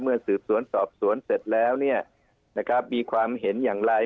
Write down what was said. เมื่อสืบสวนสอบสวนเสร็จแล้วเนี่ยนะครับมีความเห็นอย่างไร